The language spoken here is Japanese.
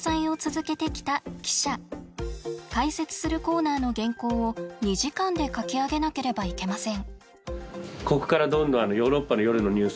解説するコーナーの原稿を２時間で書き上げなければいけません。